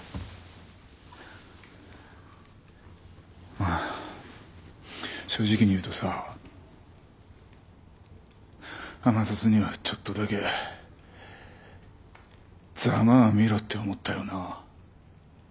まあ正直に言うとさ天達にはちょっとだけざまあみろって思ったよな。